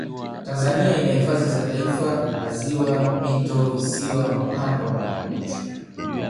tanzania ina hifadhi za taifa maziwa mito visiwa mapango na makumbusho